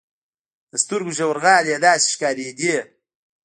د سترګو ژورغالي يې داسې ښکارېدې.